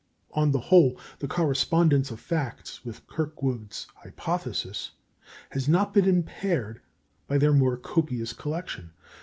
On the whole, the correspondence of facts with Kirkwood's hypothesis has not been impaired by their more copious collection.